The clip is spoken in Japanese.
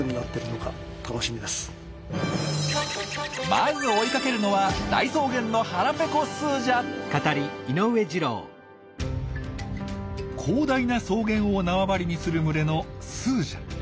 まず追いかけるのは広大な草原を縄張りにする群れのスージャ。